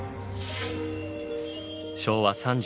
昭和３１年。